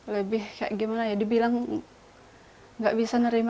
lebih kayak gimana ya dibilang nggak bisa nerima